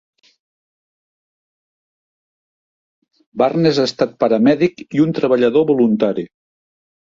Barnes ha estat paramèdic i un treballador voluntari.